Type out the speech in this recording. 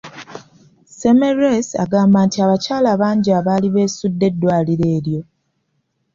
Semmelwesi agamba nti abakyala bangi abaali beesudde eddwaliro eryo.